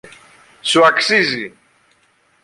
Σου αξίζει!